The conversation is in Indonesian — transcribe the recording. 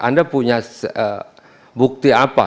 anda punya bukti apa